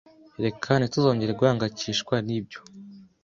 Reka ntituzongere guhangayikishwa nibyo.